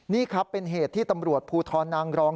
นี่ครับเป็นเหตุที่ตำรวจภูทรนางรอง